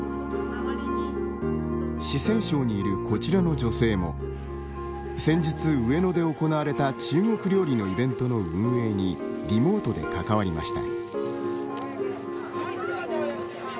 四川省にいる、こちらの女性も先日、上野で行われた中国料理のイベントの運営にリモートで関わりました。